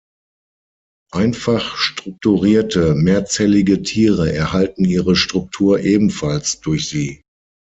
Einfach strukturierte mehrzellige Tiere erhalten ihre Struktur ebenfalls durch sie.